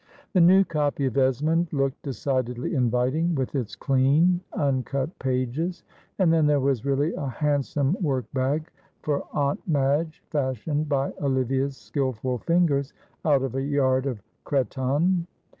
The new copy of Esmond looked decidedly inviting, with its clean, uncut pages, and then there was really a handsome work bag for Aunt Madge, fashioned by Olivia's skilful fingers out of a yard of cretonne.